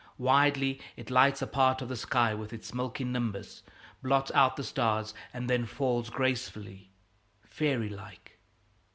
Widely it lights a part of the sky with its milky nimbus, blots out the stars, and then falls gracefully, fairy like.